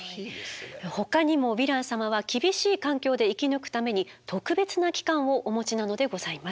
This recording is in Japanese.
ほかにもヴィラン様は厳しい環境で生き抜くために特別な器官をお持ちなのでございます。